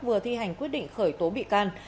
vừa thi hành quyết định khởi tố bị can